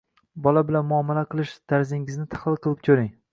Bola bilan muomala qilish tarzingizni tahlil qilib ko‘ring